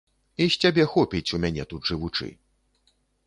І з цябе хопіць, у мяне тут жывучы.